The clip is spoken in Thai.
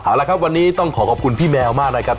เอาละครับวันนี้ต้องขอขอบคุณพี่แมวมากนะครับ